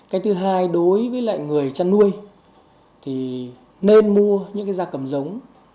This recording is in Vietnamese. cái thứ hai đối với lại người chăn nuôi thì nên mua những cái gia cầm giống